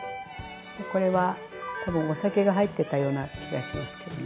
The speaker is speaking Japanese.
これは多分お酒が入ってたような気がしますけどね。